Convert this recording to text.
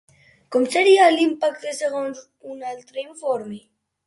Com seria l'impacte segons un altre informe?